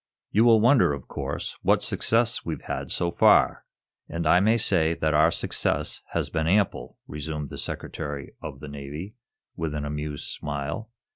"You will wonder, of course, what success we've had so far, and I may say that our success has been ample," resumed the Secretary of the Navy, with an amused smile.